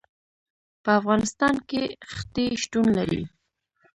په افغانستان کې ښتې شتون لري.